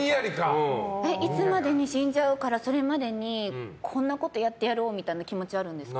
いつまでに死んじゃうからそれまでにこんなことやってやろうみたいな気持ちあるんですか？